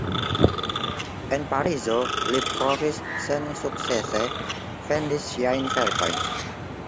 En Parizo li provis sensukcese vendis siajn verkojn.